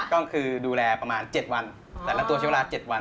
ก็คือดูแลประมาณ๗วันแต่ละตัวใช้เวลา๗วัน